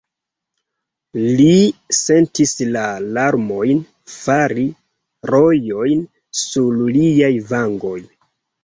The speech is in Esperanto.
Li sentis la larmojn fari rojojn sur liaj vangoj.